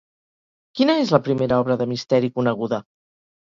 Quina és la primera obra de misteri coneguda?